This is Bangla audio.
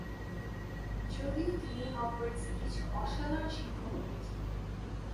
যদিও তিনি হগওয়ার্টসে কিছু অসাধারণ শিক্ষক পেয়েছিলেন।